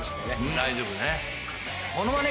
大丈夫ね。